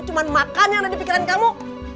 cuma makan yang ada di pikiran kamu